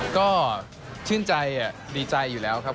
ก็ชื่นใจดีใจอยู่แล้วครับ